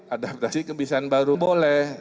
adaptasi kebijakan baru boleh